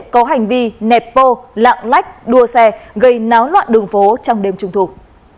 có hành vi nẹt bô lạng lách đua xe gây náo loạn đường phố trong đêm trung thuộc